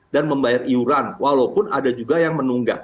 dan membayar iuran walaupun ada juga yang menunggak